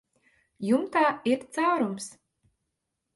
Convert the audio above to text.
Jumtā ir caurums.